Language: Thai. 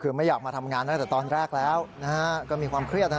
คือไม่อยากมาทำงานตั้งแต่ตอนแรกแล้วก็มีความเครียดนะฮะ